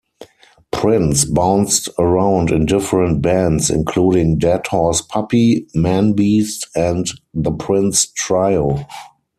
Prince bounced around in different bands including Deadhorse Puppy, Manbeast, and The Prince Trio.